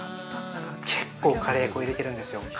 ◆結構カレー粉を入れてるんですよ。